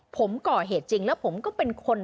ผมก่อเหตุจริงแล้วผมก็เป็นคน